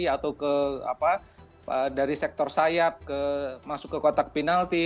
atau ke apa dari sektor sayap masuk ke kotak penalti